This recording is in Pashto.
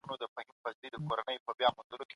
بې ترتیبه کار بدن ستړی کوي.